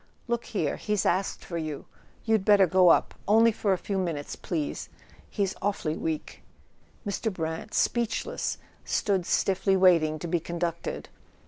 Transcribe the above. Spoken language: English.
"Look here —he's asked for you; you'd better go up. Only for a few minutes, please; he's awfully weak." Mr. Brant, speechless, stood stiffly waiting to be conducted.